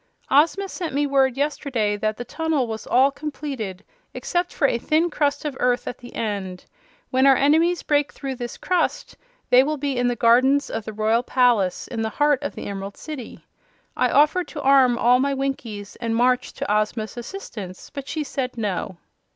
"Ozma sent me word yesterday that the tunnel was all completed except for a thin crust of earth at the end. When our enemies break through this crust, they will be in the gardens of the royal palace, in the heart of the Emerald City. I offered to arm all my Winkies and march to Ozma's assistance; but she said no."